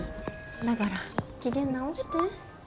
だから、機嫌直して。